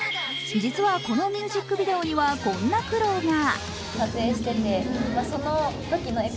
実はこのミュージックビデオにはこんな苦労が。